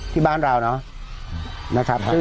ที่บ้านเรานะครับ